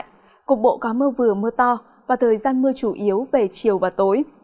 cục bộ có mưa vừa mưa to và thời gian mưa chủ yếu về chiều và tối